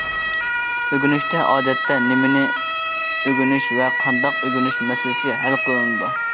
ئۆگىنىشتە ئادەتتە نېمىنى ئۆگىنىش ۋە قانداق ئۆگىنىش مەسىلىسى ھەل قىلىنىدۇ.